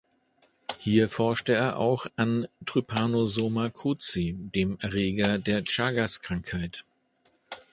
Hier forschte er auch an Trypanosoma cruzi, dem Erreger der Chagas-Krankheit.